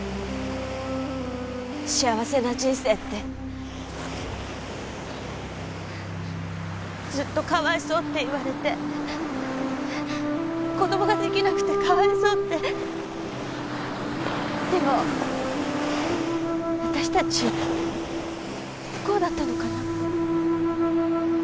幸せな人生ってずっとかわいそうって言われて子どもができなくてかわいそうってでも私たち不幸だったのかな？